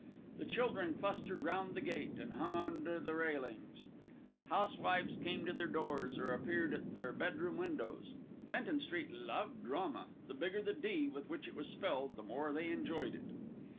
The children clustered round the gate, and hung on to the railings. Housewives came to their doors, or appeared at their bedroom windows. Fenton Street loved Drama, the bigger the "D" with which it was spelled, the more they enjoyed it.